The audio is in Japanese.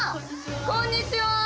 こんにちは。